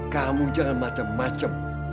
kamu jangan macam macam